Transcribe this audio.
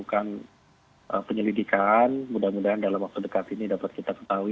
kita penyelidikan mudah mudahan dalam waktu dekat ini dapat kita ketahui